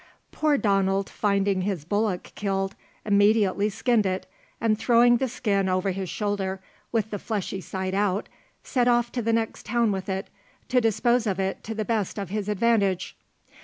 Poor Donald finding his bullock killed, immediately skinned it, and throwing the skin over his shoulder, with the fleshy side out, set off to the next town with it, to dispose of it to the best of his advantage.